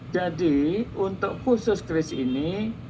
untuk khusus kris ini